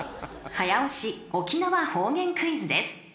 ［早押し沖縄方言クイズです］